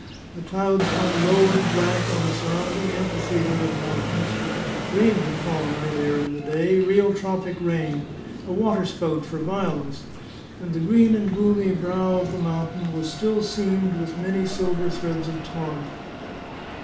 The clouds hung low and black on the surrounding amphitheatre of mountains; rain had fallen earlier in the day, real tropic rain, a waterspout for violence; and the green and gloomy brow of the mountain was still seamed with many silver threads of torrent.